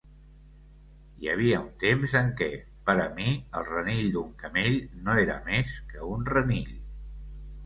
Hi havia un temps en què, per a mi, el renill d'un camell no era més que un renill.